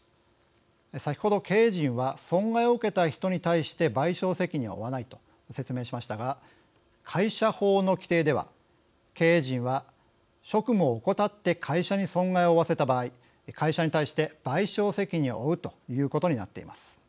先ほど経営陣は損害を受けた人に対して賠償責任は負わないと説明しましたが会社法の規定では経営陣は職務を怠って会社に損害を負わせた場合会社に対して賠償責任を負うということになっています。